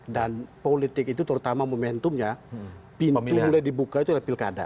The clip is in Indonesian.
dan politik itu terutama momentumnya pintu mulai dibuka itu adalah pilkada